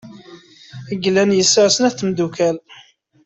Glenn yesɛa snat n tmeddukal.